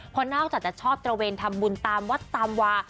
เพราะนอกจากจะชอบตระเวนทำบุญตามวัดตามวา